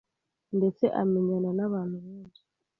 ndetse amenyana n’abantu benshi.